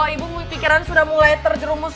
ibu pikiran sudah mulai terjerumus